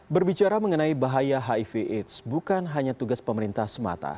berbicara mengenai bahaya hiv aids bukan hanya tugas pemerintah semata